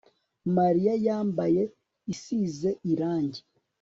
Mariya yambaye isize irangi